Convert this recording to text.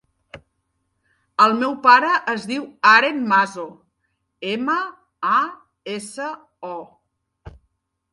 El meu pare es diu Aren Maso: ema, a, essa, o.